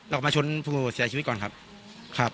เราก็มาชนพวกเขาเสียชีวิตก่อนครับ